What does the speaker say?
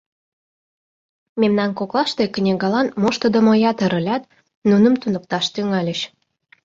Мемнан коклаште книгалан моштыдымо ятыр ылят, нуным туныкташ тӱҥальыч.